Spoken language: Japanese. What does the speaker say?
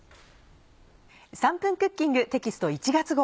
『３分クッキング』テキスト１月号。